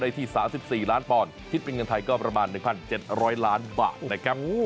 ที่๓๔ล้านปอนด์คิดเป็นเงินไทยก็ประมาณ๑๗๐๐ล้านบาทนะครับ